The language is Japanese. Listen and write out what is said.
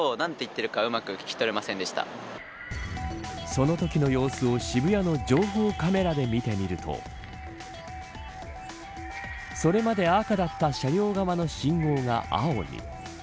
そのときの様子を渋谷の情報をカメラで見てみるとそれまで赤だった車両側の信号が青に。